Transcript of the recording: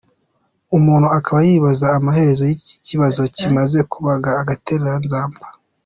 Umuntu akaba yibaza amaherezo y’iki kibazo kimaze kuba agatereranzamba.